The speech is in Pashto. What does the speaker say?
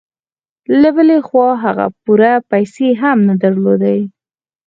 له بلې خوا هغه پوره پيسې هم نه درلودې.